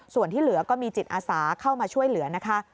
ส่วนที่เหลือก็มีจิตอาสาเข้ามาช่วยเหลือนะคะ